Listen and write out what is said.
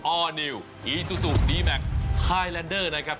อร์นิวอีซูซูดีแมคไฮแลนเดอร์นะครับ